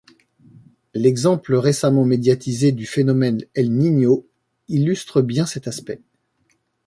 L'exemple récemment médiatisé du phénomène El Niño illustre bien cet aspect.